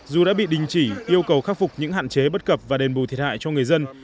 dù đã bị đình chỉ yêu cầu khắc phục những hạn chế bất cập và đền bù thiệt hại cho người dân